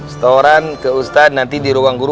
setoran ke ustadz nanti di ruang guru